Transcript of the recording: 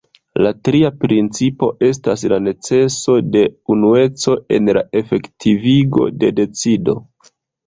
La tria principo estas la neceso de unueco en la efektivigo de decido.